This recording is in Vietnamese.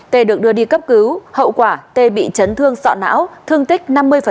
t được đưa đi cấp cứu hậu quả tê bị chấn thương sọ não thương tích năm mươi